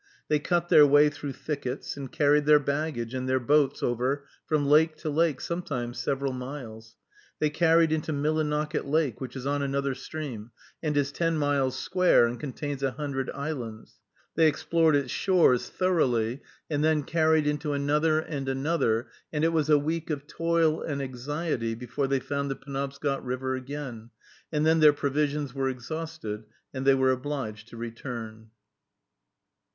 They cut their way through thickets, and carried their baggage and their boats over from lake to lake, sometimes several miles. They carried into Millinocket Lake, which is on another stream, and is ten miles square, and contains a hundred islands. They explored its shores thoroughly, and then carried into another, and another, and it was a week of toil and anxiety before they found the Penobscot River again, and then their provisions were exhausted, and they were obliged to return.